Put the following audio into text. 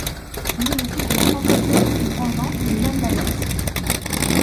Il est le Fils de François Dieudonné Grandjean et Jeanne Maletz.